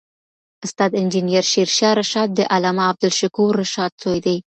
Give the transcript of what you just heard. استاد انجینر شېرشاه رشاد د علامه عبدالشکور رشاد زوی دی